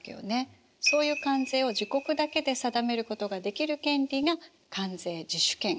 そういう関税を自国だけで定めることができる権利が関税自主権。